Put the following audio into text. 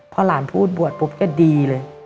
พอหลานพูดบวชปุ๊บแกดีเลย